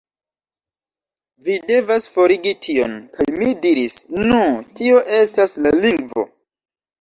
Vi devas forigi tion" kaj mi diris, "Nu, tio estas la lingvo.